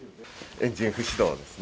エンジン不始動ですね。